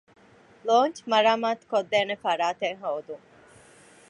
ލޯންޗް މަރާމާތު ކޮށްދޭނެ ފަރާތެއް ހޯދުން